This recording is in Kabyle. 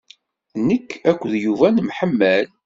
Nekk akked Yuba nemḥemmal.